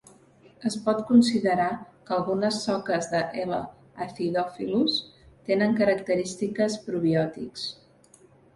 Es pot considerar que algunes soques de "L. acidophilus" tenen característiques probiòtics.